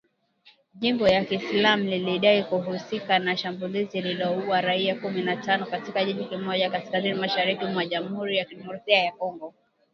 Jimbo ya Kiislamu lilidai kuhusika na shambulizi lililoua raia kumi na tano katika kijiji kimoja kaskazini-mashariki mwa Jamhuri ya Kidemokrasia ya Kongo.